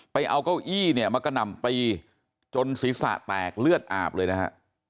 ไปเอาเก้าอี้นรมักนำไปจนศิษฐะแตกเลือดอ่าบนะฮะ